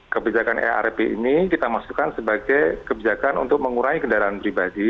kebijakan erp ini kita masukkan sebagai kebijakan untuk mengurangi kendaraan pribadi